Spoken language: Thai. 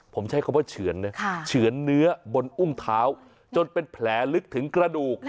ผมใช้คำว่าเฉือนนะเฉือนเนื้อบนอุ้งเท้าจนเป็นแผลลึกถึงกระดูก